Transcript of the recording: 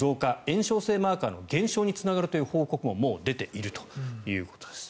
炎症性マーカーの減少につながるという報告ももう出ているということです。